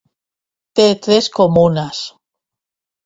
Té tres comunes.